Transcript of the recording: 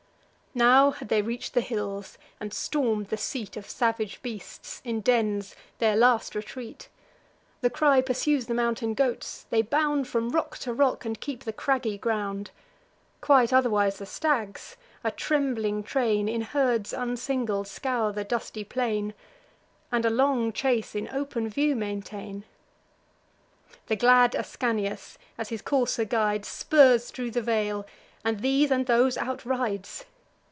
Now had they reach'd the hills, and storm'd the seat Of salvage beasts, in dens, their last retreat. The cry pursues the mountain goats: they bound From rock to rock, and keep the craggy ground; Quite otherwise the stags, a trembling train, In herds unsingled, scour the dusty plain, And a long chase in open view maintain. The glad Ascanius, as his courser guides, Spurs thro' the vale, and these and those outrides.